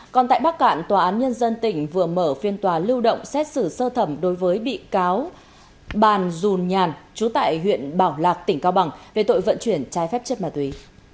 còn tại bắc cạn tòa án nhân dân tỉnh vừa mở phiên tòa lưu động xét xử sơ thẩm đối với bị cáo bàn dùn nhàn chú tại huyện bảo lạc tỉnh cao bằng về tội vận chuyển trái phép chất ma túy